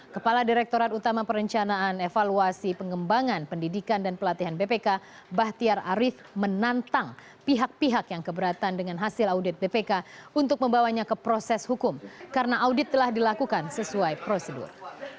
kepala direktorat utama perencanaan evaluasi pengembangan pendidikan dan pelatihan bpk bahtiar arief menantang pihak pihak yang keberatan dengan hasil audit bpk untuk membawanya ke proses hukum karena audit telah dilakukan sesuai prosedur